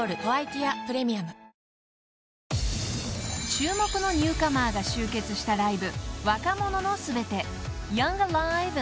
［注目のニューカマーが集結したライブ］